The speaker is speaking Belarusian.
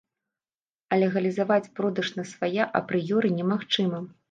А легалізаваць продаж насвая апрыёры немагчыма.